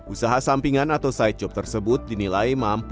usaha sampingan atau side job tersebut dinilai mampu